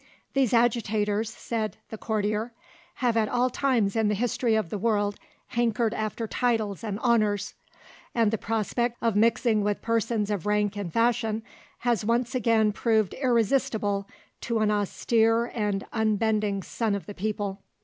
"These agitators," said THE COURTIER, "have at all times in the history of the world hankered after titles and honours, and the prospect of mixing with persons of rank and fashion has once again proved irresistible to an austere and unbending son of the people."